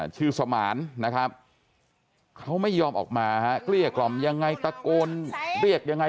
สมานนะครับเขาไม่ยอมออกมาฮะเกลี้ยกล่อมยังไงตะโกนเรียกยังไง